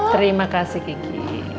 terima kasih kiki